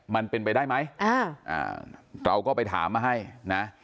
มันเป็นไปได้ไหมเราก็ไปถามมาให้นะ